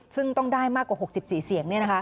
ซึ่งต้องได้มากกว่า๖๔เสียง